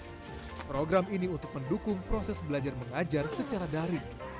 sehingga desa akan mendapatkan keuntungan untuk mendukung proses belajar mengajar secara dari